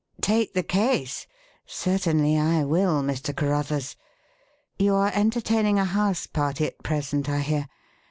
Take the case? Certainly I will, Mr. Carruthers. You are entertaining a house party at present, I hear.